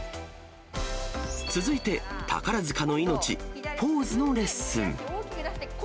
続いて、宝塚の命、ポーズのレッスン。